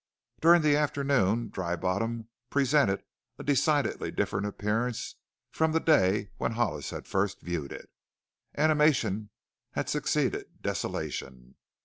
During the afternoon Dry Bottom presented a decidedly different appearance from the day when Hollis had first viewed it. Animation had succeeded desolation.